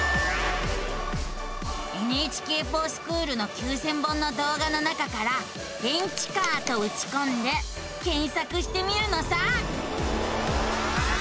「ＮＨＫｆｏｒＳｃｈｏｏｌ」の９，０００本の動画の中から「電池カー」とうちこんで検索してみるのさ。